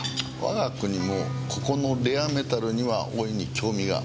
我が国もここのレアメタルには大いに興味があります。